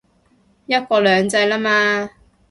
一國兩制喇嘛